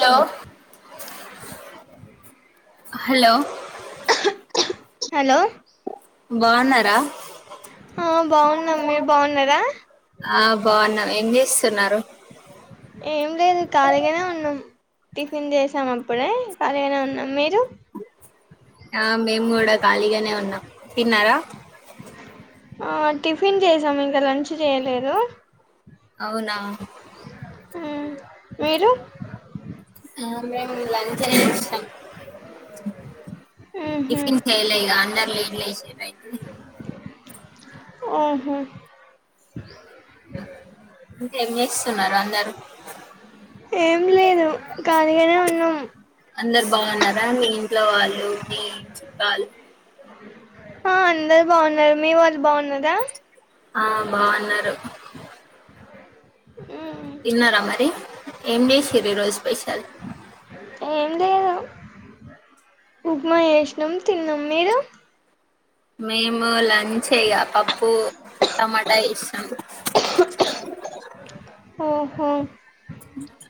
Hello hello hello బాన్నారా ఆ బాగున్నామ్ మీరు బాగున్నారా ఆ బాగున్నాం ఏం చేస్తున్నారు ఏం లేదు ఖాళీగానే ఉన్నాం టిఫిన్ చేసాం అప్పుడే ఖాళీగానే ఉన్నాం మీరు ఆ మేము కూడా ఖళీగానే ఉన్నాం తిన్నారా ఆ టిఫిన్ చేసాం ఇంకా లంచ్ చేయలేదు అవునా ఉహ్మ్ మీరు ఆ మేము లంచ్ చేసేసం ఉహు టిఫిన్ చేయలేదా అందరు లేట్ లేసిరు అయితే ఆహు ఇంకేం జేస్తున్నారు అందరు ఏం లేదు కాలిగానే ఉన్నాం అందరు బాగున్నారా మీ ఇంట్లో వాళ్ళు మీ చుట్టాలు ఆ అందరు బాగున్నారు మీ వాళ్ళు బాగున్నరా ఆ బాగున్నరు మ్ తిన్నారా మరి ఏం జేసిండ్రు ఈరోజు స్పెషల్ ఏం లేదు ఉప్మా చేస్నాం తిన్నాం మీరు మేము లంచే ఇగ పప్పు టమాటా ఏష్నం ఓహో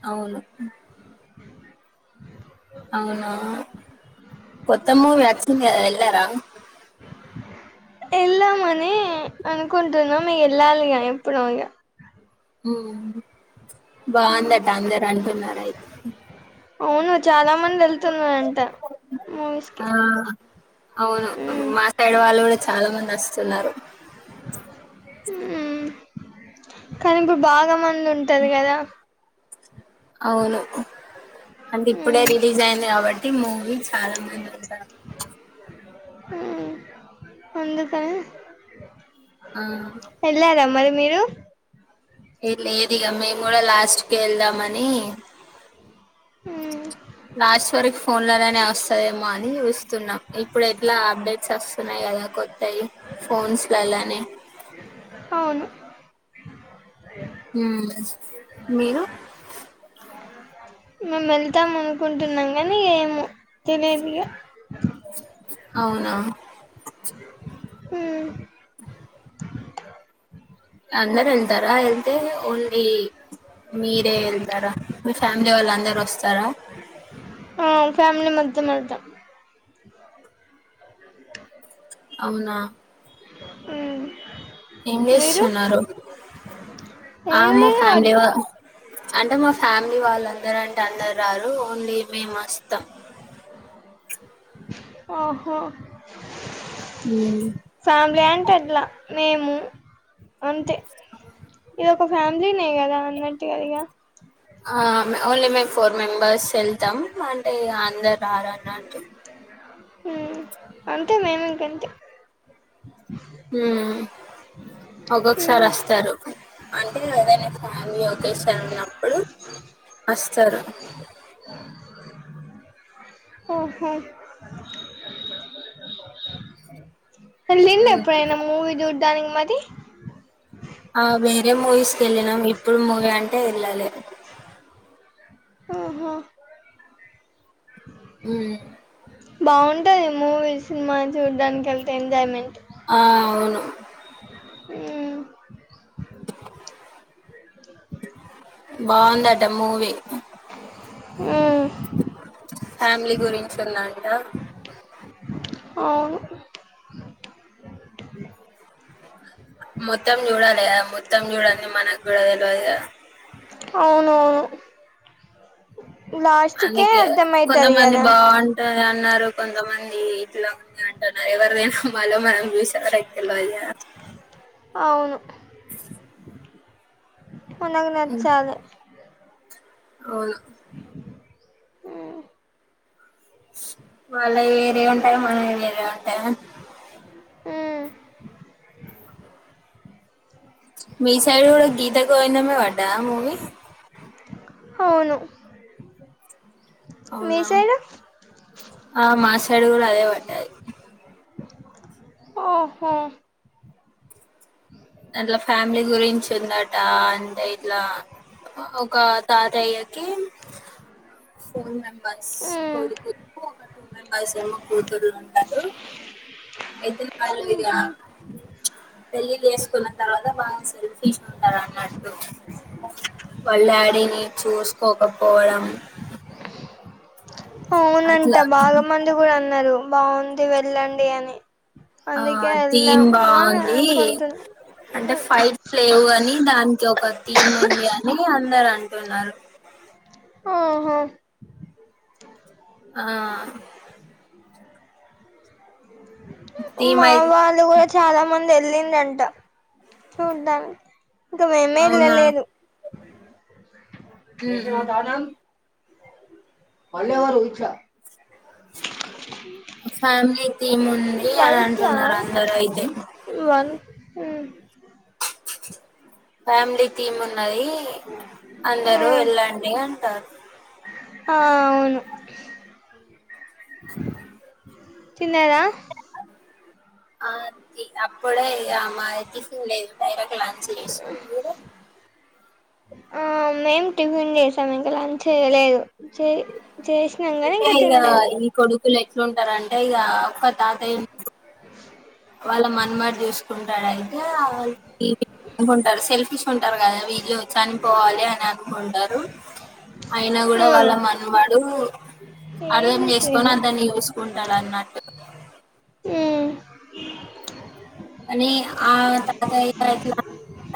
అవును అవునా కొత్త మూవి వచ్చిందిగ వెళ్ళారా ఎల్ దామని అనుకుంటున్నాం. ఎళ్ళాలిగ ఎప్పుడో ఇగ మ్ బాగుందట అందరు అంటున్నారైతే అవును చాలా మంద్ వెళ్తున్నారన్ ఆ అవును ఉమ్ మాసైడ్ వాళ్ళు గూడ చాలా మంది ఓస్తున్నారు ఉమ్ కానీ ఇప్పుడు బాగా మంది ఉంటరు కదా అవును అంటె ఇప్పుడే ఉమ్ రిలీజైంది కాబట్టి మూవీ చాలా మంది ఉంటారు ఉహ్ అందుకని ఆ వెళ్ళారా మరి మీరు ఏ లేదు ఇగా మేము కూడా లాస్ట్ కే వెళ్దామని ఉమ్ లాస్ట్ వరక్ ఫోన్ లో నైన అస్తదేమో అని చూస్తున్నా. ఇప్పుడు ఎట్లా అప్డేట్స్ ఒస్తున్నాయి కదా. కొత్తయ్ ఫోన్స్ లో కళ్ళనే అవును ఊమ్ మీరు మేమేళ్తాం అనుకుంటున్నాం కానీ ఏమో తెలియదిగా అవునా హుమ్ అందరేళ్తారా వెళ్తే ఓన్లీ మీరే ఎళ్తారా మీ ఫ్యామిలీ వాళ్ళు అందరు ఒస్తారా ఆ ఫ్యామిలీ మొత్తం మెల్తం అవునా ఉహ్ ఏం జేస్తున్నారు ఆ ఏం మా ఫ్యామిలీ లేదు వా అంటే మా ఫ్యామిలీ వాళ్ళ అందరంటే అందరు రారు ఓన్లీ మేమస్తాం. ఓహో ఉమ్ సామ్లన్ అట్లా మేము అంతే ఇదొక ఫ్యామిలీనే కదా అన్నట్టు కదిగా ఆ ఓన్లీ మేము ఫోర్ మెంబర్స్ వెళ్తాం. అంటే అందరు రారన్నట్టు. ఉ అంతే మేమింకంతే హు ఒక్కొక్కసారి హ్మ్ ఒస్తరు. అంటే ఏదనా ఫ్యామిలీ అకేషన్ ఉన్నప్పుడు వస్తారు ఓహో ఎలిండ ఉమ్ ఎప్పుడైనా మూవీ చూడ్డానికి మరి ఆ వేరే మూవీస్కి వెళ్ళినం. ఇప్పుడు మూవీ అంటే ఎళ్ళలె. ఓహో ఉమ్ బాగుంటది మూవీ సినిమా చూడ్డానికి వెళ్తే ఎంజాయ్మెంట్ ఆ అవును ఉమ్ బాగుందట మూవీ హ్మ్ ఫ్యామిలీ గురించి ఉన్నదంటా అవును మొత్తం చుడాలె కదా మొత్తం చుడంది మనగూడ తెల్వదు కదా అవునవును లాస్ట్ కే అందుకే అర్థమయితది కొంతమంది కదా బాగుంటది అన్నారు కొంతమంది ఇట్లా ఉంది ఎవరికీ తెలుసు మల్ల మనకి చూసేవరకి తెల్వదు కదా అవును మనకు ఉమ్, నచ్చాలి అవును ఉమ్ వాళ్ళ వేరే ఉంటాయి మనయివేరే ఉంటయా మ్మ్ మీ సైడ్ కూడా గీతగోవిందమే పడ్డదా మూవీ అవును మీ అవునా సైడ్ ఆ మా సైడుగుడా అదే పడ్డది ఆహా అందుల ఫ్యామిలీ గురించి ఉందట అంటే ఇట్లా ఒక తాతయ్యకి ఫోర్ మెంబర్స్ కొడుకులు ఒక ఫోర్ మెంబర్స్ ఒక కూతురు ఉంటారు అయితే ఆలిగా హ్మ్ పెళ్లి చేసు తర్వాత బాగా సెల్ఫిష్ ఉంటదనట్టూ వాల్ డాడిని చూసుకోకపోవడం అవునంట అట్లా బాగా మంది కూడా అన్నరు బాగుంది వెళ్ళండి అని ఆ అందుకే థీమ్ బాగుంది ఎళ్దామననుకుంటున్న అంటే ఫైట్ లేవు కానీ దాని ఒక థీమ్ ఉంది అని అందరు అంటున్నారు ఆహా ఆ థీమ్ మా అయి వాళ్ళు కూడా చాలా మంది వెళ్లిండంట చూడ్డాానికి ఇంకా మేమే అవునా ఎల్లాలేదు ఉమ్ వేసినావా ఉమ్ తాళం మల్ల ఎవరు ఇంట్ల ఫ్యామిలీ థీమ్ ఉంది అని ఫైట్ లా అంటున్నారు అందరు అయితే వన్ ఉమ్ ఫ్యామిలీ థీమ్ ఉన్నది అందరూ వెళ్ళండి అంటారు ఆ అవును తిన్నరా ఆ అప్పుడే ఇగ టిఫిన్ లేదు మేము ఇప్పుడు లంచ్ చేసినాము మీరు ఆ మేం టిఫిన్ చేసాం ఇంకా లంచేయలేదు చే చేసినం కాని ఇంకా తినలేదు ఈళ్లు ఎట్లుంటారంటే ఇక ఒక్క తాతయ్య వాళ్ళ మనమడు చూసుకుంటాడంటే [unintelligible] ఉంటారు సెల్ఫిష్ ఉంటారు కదా వీళ్ళు చనిపోవాలి అని అనుకుంటారు అయినా గూడా వాళ్ళ మన్వడు ఏం అర్థం చేసుకొని చూసేదిలే అందరిని చూసుకుంటాడు అన్నట్టు ఉమ్ అని ఆ [inaudible]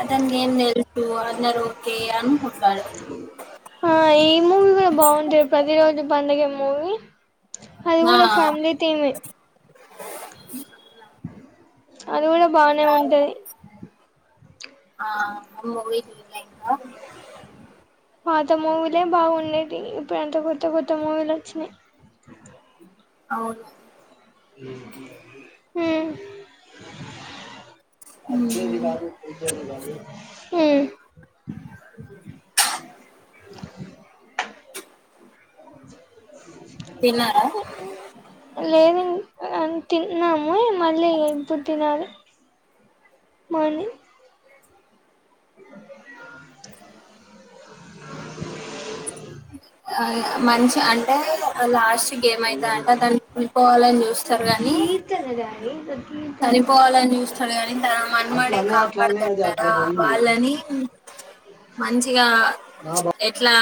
అతనకేం తెలుసు అందరూ ఒకే అనుకుంటారు ఆ ఈ మూవీ కూడా బాగుండె ప్రతి రోజు పండుగే మూవీ అది నా కూడా ఫ్యామిలీ థీమె అది గుడా బానే ఉంటది ఆ అమ్ము [inaudible] ఇంకా పాత మూవీలే బాగుండేటివి ఇప్పుడు అంత కొత్త కొత్త మూవీలు వచ్చినాయి అవును మ్ వచ్చేయండి ఉమ్, బాబు హ్మ్ తిన్నారా అ తిన్నాము మళ్లి ఇప్పుడు తినాలి మార్నింగ్ అ మంచి అంటే లాస్ట్ కి ఎం అయితదంటే అ దాన్ని విడిపోవాలని రు కాని కీర్తన డాడీ ఇదో కీర్తన చనిపోవాలని చూస్తడు కానీ తన మనమడే అట్లనే అట్లనే అది కాపాడత అట్లా ఆ పోయింది వాళ్ళని మంచిగా నా ఎట్లా